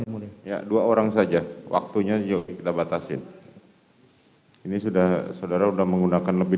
mulia dua orang saja waktunya juga kita batasin ini sudah saudara udah menggunakan lebih